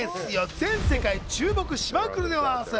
全世界、注目しまくりでございます。